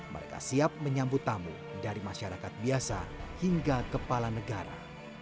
mereka siap menyambut tamu dari masyarakat biasa hingga kepala negara